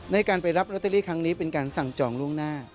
ในการไปรับลอตเตอรี่ครั้งนี้เป็นการสั่งจองล่วงหน้า